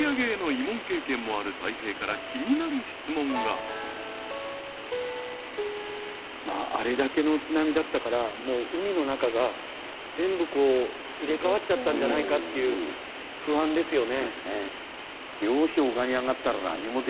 ここであれだけの津波だったから海の中が全部入れ替わっちゃったんじゃないかっていう不安ですよね。